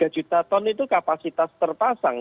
tiga juta ton itu kapasitas terpasang